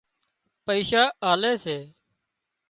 پئيشا آلي سي